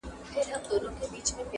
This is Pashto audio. دغو تورمخو له تیارو سره خپلوي کړې ده؛